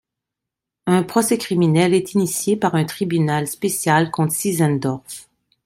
Un procès criminel est initié par un tribunal spécial contre Sinzendorf.